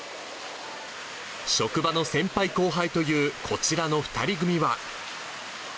職場の先輩後輩というこちらの２人組は。